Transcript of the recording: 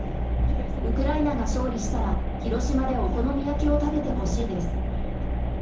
ウクライナが勝利したら、広島でお好み焼きを食べてほしいです。